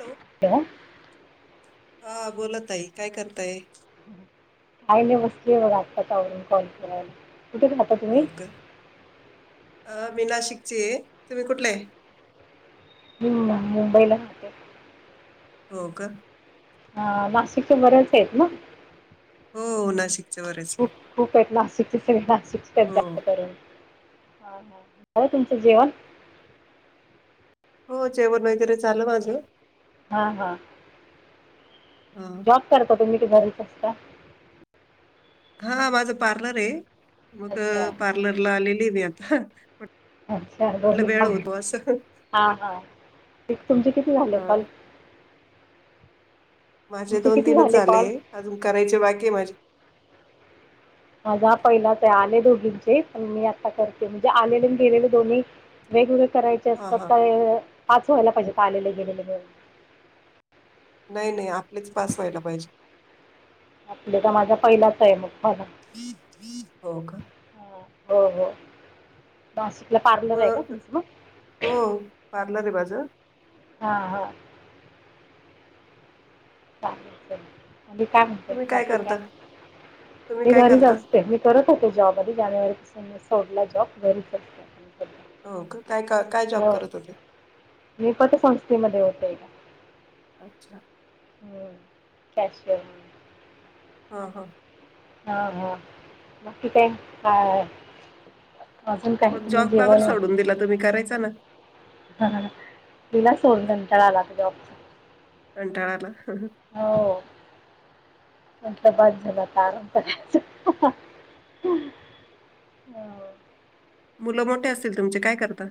Hello hello हा बोला ताई काय करताय काही नाही हो बसली व आताच आवरून कॉल करायला कुठे [unintelligible] हो का मी नाशिकची आहे तुम्ही कुठल्या आहे हुं मुंबईला राहते हो का ह नाशिक बरेच आहेत ना हो नाशिक खूप खूप आहेत. नाशिकचे सगळे नाशिक आहेत हो जास्त करून हा हा झालं तुमचं जेवण. हो जेवण वगैरे झालं माझं. हा हा हा वाक करता तुम्ही काय घरीच असता हा माझं पार्लर आहे मग अच्छा हां पार्लरला आलेली आहे मी आता अच्छा हो वेळ का होतो असं हा हा तुमचे किती झाले हा कॉल. माझे तुमचे दोन किती तीनच झाले कॉल अजून करायचे बाकी आहे माझे माझाा पहिलाच आहे आले दोघींचे पण मी आता करते म्हणजे आलेले गेलेले दोन्ही. वेगवेगळे करायचे हा असतात हा तर पाच व्हायला पाहिजे आलेले गेलेलेे. नाही नाही आपलेच पाच व्हायला पाहिजे आपलं तर माझा पहिलाच आहे मग मला हो का हो हो नाशिकला पार्लर आहे का मग तुमचं मग हो पार्लर आहे माझं हा हा चालेल आणि काय म्हणतय तुम्ही बाकी, करता काय तुम्ही मी काय घरीच करता असते, म करत होते जॉबमध्येध जानेवारीपासून सोडला जॉब घ रीच असते. आता मी सध्या हो का काय का काय जॉब हो करत होते. मी पतसस्थेमध्ये होतय का अच्छा हम्म केशर म्हणून. हा हा. हा हा बाकी का हा. अजून काही मग तु जॉब का बरं जेवण. सोडून दिला तुम्ही करायचा ना ह तिला सोन घंटर आला तुझ्या ऑपस. कंटाळ आला. हो पता बाद झाला आता आराम करायच. हो मुलं मोठे असतील तुमचे काय करतात.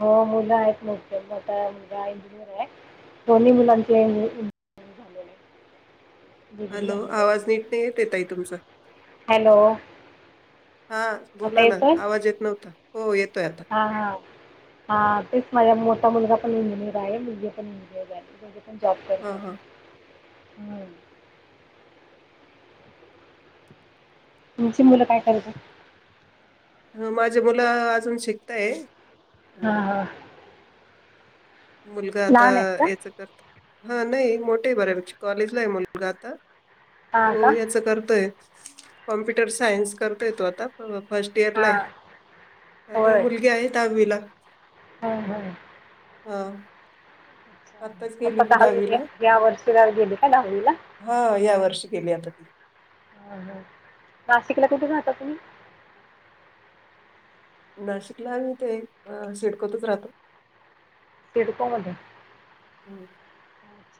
हो मुलं आहेत मोठी आता मुल गा इंजिनियर आहे. दोन्ही मुलाचे एन एम एम एस झालेला आहे डिग्री हॅलो झालेली आवाज नीट नाही आहे येत येतई तुमचं. हॅलो हा आता बोला ना आवाज येत नव्हता हो येतोय आता. हा हा हा तेच माझा मोठा मुलगा पण इंजिनियर आहे मुलगी पण इंजिनिय र आहे. जॉब हा करतात. हा तुमची मुलं काय करतात. माझ्या मुलं अजून शिकताय. हा हं हा मुलगा आता लहान आहेत का याच करत हा नाही मोठेही बर आहेक्ष कॉलेजला आहे मुलगा आता. हां तो का याच करतोय कॉम्प्युटर सायन्स करतोय तो आता. फर्स्ट इयर ला हां आहे आणि मुलगी आहे दहावीला. हा हा. हा. आत्ताच गेली आता ती दहावी दहावीला या्या वर्षी गेली का दहावीला. हा या वर्षी केली आता ती. ह नाशिकला कुठे रा हता तुम्ही. नाशिकला आही ते सिडकोतच राहतो. तिरपमत [unintelligible] होम् [unintelligible]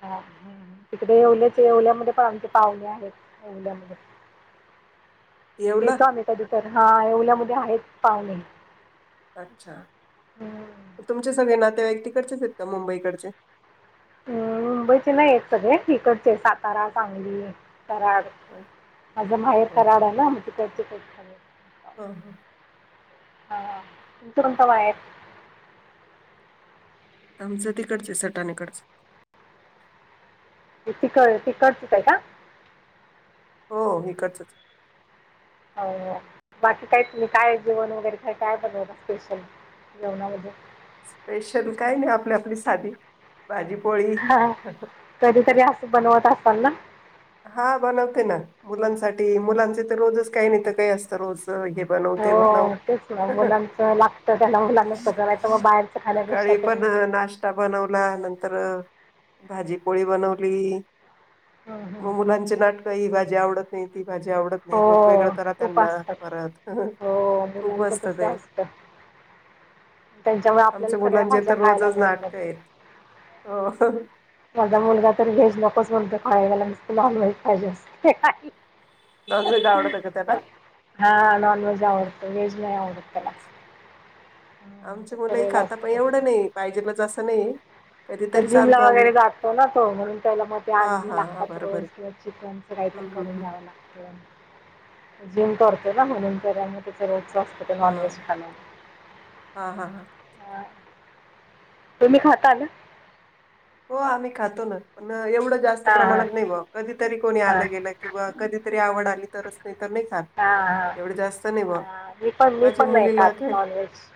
छ तिकडे येवल्याच येवल्यामध्ये पण आमचे पाहुणे आहेत येवल्यामध्ये. येवला देतो आम्ही कधी तर हा येवल्यामध्ये आहेत पाहुणे.. अच्छा हं. तुमचे सगळे नातेवाईकतीकडचेच आहेत का मुंबईकडचे. हम् मुंबईचे नाही आहेत सगळे तिकडचे सातारा सांगली कराड. माझा माहेर हो कराड का आला मग त त्या हा हा हा तुचरणता बाहे [unintelligible] आमचं तिकडच सटानेकडचं. तिकड तिकटड चक आहे का. हो हिकडंचच हो बाकी काय तुम्ही काय जेवण वगैरे काय काय बघवता स्पेशल जेवणामध्ये. स्पेशल काय नाही आपली आपली साधी भाजीपोळी.. हां. कधीतरी अस बनवत असाल ना हा बनवते ना मुलांसाठी मुलांचे तर रोजच काही नाही तर काही असतं रोज हे. बनव ते बनव हो तेच ना मुलांचं लागतं त्याना मुलांना सग बाहेर. सकाळी पण नाश्ता बनवला नंतर भाजीपोळी बनवली. हं हं. मग मुलांचे नाटकं ही भाजी आवत नाही ती भाजी आवडत. मग वेगळं हो करा खूप त्यांना असतात परत हो खूप मुलांचं मजत तसं ते. असतं त्यांच्यामुळे आपल्याला आमच्या सगळ्या मुलांचे भाज्या तर खायला रोजच मिळतात नाटक आहेत अ. माझा मुलगा तर व्हेज नकोच म्हणतो काळ वला नत नॉन व्हेज पाहिजे असते. न आवडत का त्याला. हा नॉन व्हेज आवडतो व्हेज नाही आवडत. त्याला अच्छा आमचे मुलं ठरलेलं खातात असतं पण त्याचं एवढं नाही पाहिजेलच असं नाही. तर कधीतरीच जिम ला आणतो आम्ही वगैरे जातो ना तो म्हणून त्याला म हा अंडी हा हा लागतात बरोबर आहे रोज चिकन. काही तर हम्म करून हम्म हम्म. घ्यावं लागतं. जिम करते ना म्हणून त्यामुळे तच रोजच असत ते नॉन व्हेज खाणं. हा हा हा. ह तुम्ही खाता? हो आम्ही खातो ना पण एवढं. जास्त हां हां प्रमाणात नाही कधीतरी कोणी हां आलं गेलं किंवा कधीतरी आवड आली तरच नाही तर नाही ल. हा हा एवढं जास्त नाही बघ. मी पण मी पण खातात नॉनव्हेज.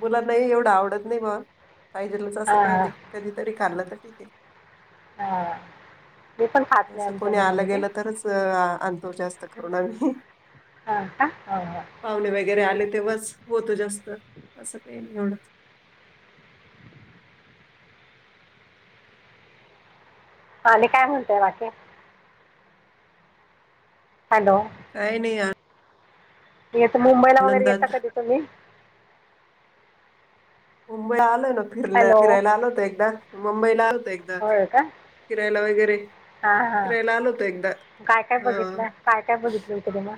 मुला नाही एवढं आवडत नाही बाबा पाहिजेच असं हां काही हां नाही कधीतरी खाल्लं तर ठीके. हां मी पण खात नाही असं आमच्या कोणी आलं घरामध्ये गेलं तरच आणंतो जास्त करून आम्ही हा हा हो. पाहुणे वगैरे आले तेव्हाच होतो जास्त असं काही नाही एवढं आले काय म्हणतय बाकीे हॅलो. काही नाही आ. येतं मुंबईला वगैरे येता आनंदात कधी तुम्ही? मुंबईला आलय ना फिर हॅलो फिरायला आलो होत एकदा मुंबईला आल होत एकदा. फिरायला वगैरे हा हा फिरायला आलो होतो एकदा काय काय हा बघितलं काय काय बघितलं होतं ते म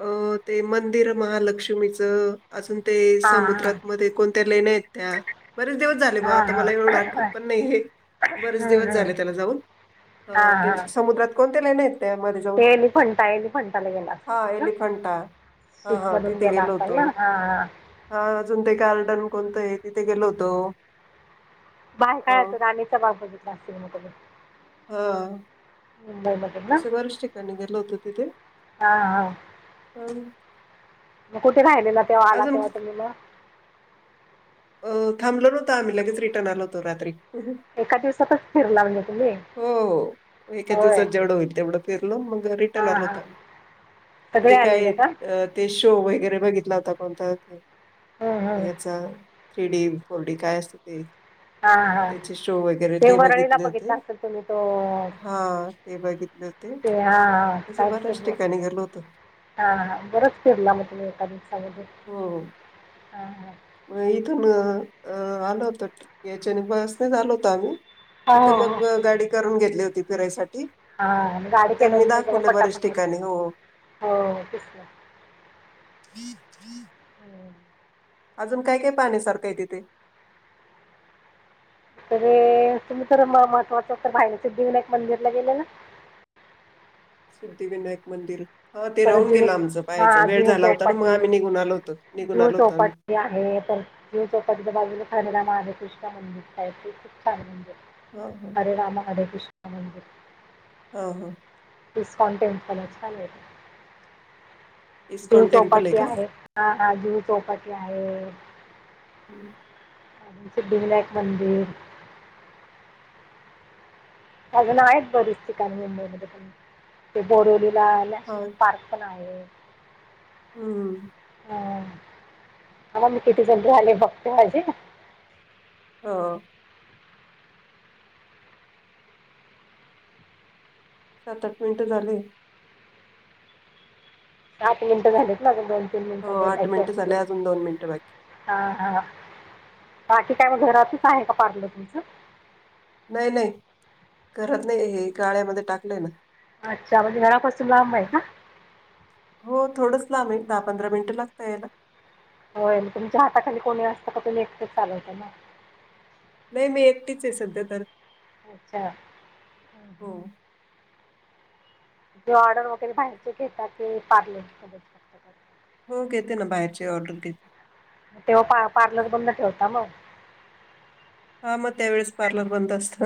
अ ते मंदिर महालक्ष्मीचं अजून ते हां हां समुद्रातमध्ये कोणत्या लेण्या आहेत त्या बरेच दिवस झाले बा हां आता मला येळून हां आठवत पण नाही हे बरेच हां दिवस हां झाले त्याला जाऊन. अ हां हां समुद्रात कोणते लेण आहेत त्या मध्ये जाऊन ते येली फंटा येली फंटाला गेला. हा एलिफंटा हा शीप मधून गेला असाल ना? हा. ह अजून ते गार्डन कोणतं आहे तिथे गेलो होतो. बाहेय अ काय आत राणीचा भाग बघितला सिनेमा क हा. ह् बर बर असं बर्याच ठिकाणी गेलं होतं तिथे हा हा मग कुठे राहिली ना तेव्हा आला अजून तेव्हा तुम्ही ना? अ थांबल नव्हता आम्ही लगेच रिटर्न आलो होतो रात्री. एका दिवसातच फिरला म्हणजे तुम्ही? हो एका होय दिवसात जेवढं होईल तेवढं फिरलो मग रिटर्न हां आलो हां होतो आम्ही. आणि सगळे ते काय आलेले का अ ते शो वगैरे बघितला होता कोणता हं, हं. याचा थ्री डी फोर डी काय असते ते हा हा त्याचे शो वगैरे ते वरळीला बघितले बघितला होते. असेल तुम्ही तो हा ते बघितले होते ते हां तसे बऱ्याच ठिकाणी घेलो होत. हा हा बरंच फिरला मग तुम्ही एका दिवसामध्ये हा ह म इथून आलो होत याच्याने बसनेच आलो होत आम्ही हो तिथं मग हो गाडी करून घेतली होती फिरायसाठी हा गाडी मग त्यांनी केल्यानंतर त्याला दाखवले बऱ्याच पटापट होत ठिकाणी हो हो दिसलं. [unintelligible] हम् अजून काय काय पाण्यासारखं आहे तिथे. तर तुम्ही तर महत्वाचं बाहिले सिद्धिविनायक मंदिरला गेले ना? सिद्धिविनायक मंदिर हा ते परत राहून जुहू गेल आमचं पाहायचं हां वेळ जुहू झाला होता ना मग चौपाटी आम्ही निघून आलो होतो निघून जुहू आल होतो आम्ही चौपाटी आहे पण जीव चौपटीच्या बाजूला खालेला माहाध कृष्ण मंदिर ते खूप छान म्हणजे हा हा हरराम अध कृष् मजर हा हा डस्काॉउटेंटसलच जुू इस्कॉन टेम्पल चौपट्टी का? आहे हा हा जुह चौपाटी आहे हम्म सिधी विलायक मंदिर अजून आहेत बरीच ठिकाण मुंबई म पण ते बोडोलीला आ हा नॅशनल पार्क बनाय हम हा ह मी किती जण राहिले बघते माजी ह सात आठ मिनटं झाली सात मिनटं झालीत नाझ दोन तीन हो मिनटं आठ बोलायचे मिनिटं आपलं झाले अजून दोन मिनिटं बाकी हा हा बाकी काय मग घरातच आहे का पार्लर तुमचं नाही नाही करत नाही हे गळ्यामध्ये टाकले ना अच्छा म्हणजे घरापासून लांब आहे का हो थोडंच लांब दहा पंधरा मिनिटं लागता याला होय मग तुमच्या हाताखाली कोणी असतं का तुम् एकटच चालवता ना नाही मी एकटीच आहे सध्या तर अच्छा हम् ह् हो तेे ऑर्डर वगैरेय घेताात ते पारले हो घेते ना बाहेरची ऑर्डर घेते मग तेव्हा पार्लर बंद ठेवता मग हा मग त्या वेळेस पार्लर बंद असत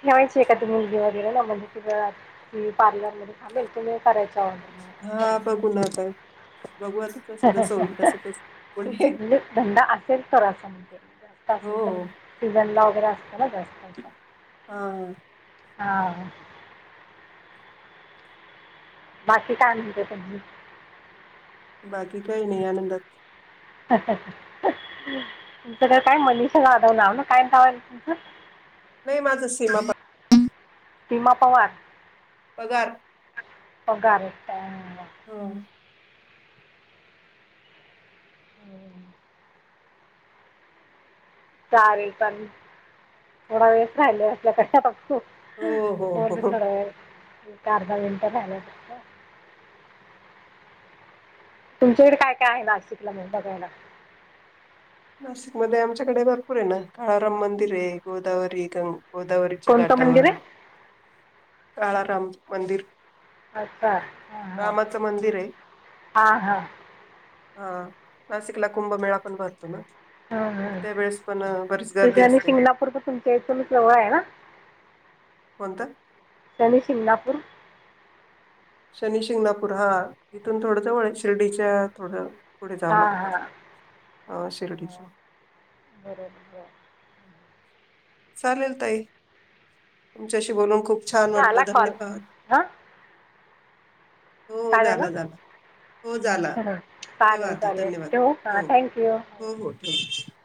ठेवायची एखादी मुलगी वगैरे ना म्हणजे तिथं क पार्लर मध्ये हा बिलकुल मी करायचंवच करायच गणाता बघवान तस जसं होईल तस तस म्हणजे धंदा असेल तथो अस म्हणजे जास्त हो असेल तर हो सीझनला वगैरे असताना जास्त असं हा हा बाकी कायते तमही बाकी काही नाही आनंदात ह ह ह तुमच तर काय मनष जाधवणार ना कायं नाही माझेशी म सीमा पवार पगार होगारत हम हम् चालेल पण थोडा वेळस राहिल असल्या कशा बघतू हो थोडा चारध मिनट तुमच्याकडे काय काय आहे नाशिकला म्हणून बघायला नाशिकमध्येध्ये आमच्याकडे भरपूर आहे ना काळाराम मंदिर आहे गोदावरी गंग गोदावरी कोणतं मंदिर घाटावर, आहे काळाराम मंदिर. अच्छा, हा हा रामाचं मंदिर आहे हा हा. हा नाशिकला कुंभमेळा पण भरतो ना. ह ह त्यावेेळेस पण अं, बरीच ते गर्दी असते शनीशिंगणापूर पसुन, तुमच्या इथ जवळे ना. कोणतं. शनी शिंगणापूर. शनी शिंगणापूर, हा इथून थोडस जवळे, शिर्डीच्या थोडं पुढे जावं हां लागत, हां अजून अ शिर्डीच्या. बरोंबर. चालेल ताई, तुमच्याशी बोलून खूप छान झाला वाटलं, कॉल धन्यवाद. हां हो काय झालं झाला झाला, हो झाला, हं, ठेवा चालेल आता, चालेल धन्यवाद ठेवू हां हो. थँक्यू हो हो ठेवते.